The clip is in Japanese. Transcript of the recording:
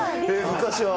昔は。